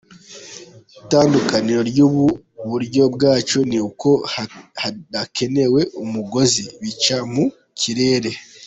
Itandukaniro ry’ubu buryo bwacu ni uko hadakenewe umugozi, bica mu kirere.